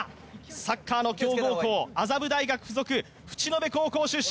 サッカーの強豪校麻布大学附属淵野辺高校出身